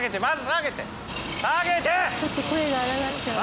ちょっと声が荒らげちゃう。